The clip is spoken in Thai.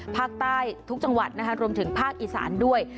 ภาคใต้ทุกจังหวัดนะคะรวมถึงภาคอีสานด้วย